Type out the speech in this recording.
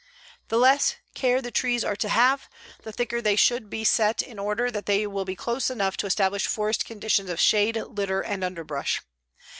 The less care the trees are to have, the thicker they should be set in order that they will be close enough to establish forest conditions of shade, litter and underbrush.